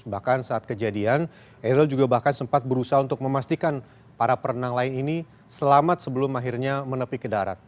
bahkan saat kejadian eril juga bahkan sempat berusaha untuk memastikan para perenang lain ini selamat sebelum akhirnya menepi ke darat